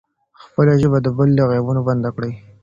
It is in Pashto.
خپله ژبه د بل له عیبونو بنده کړئ.